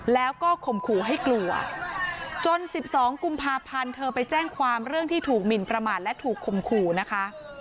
แล้วก็ข่มขู่ให้กลัวจน๑๒กุมภาพันธ์เธอไปแจ้งความเรื่องที่ถูกหมินประมาทและถูกคมขู่นะคะ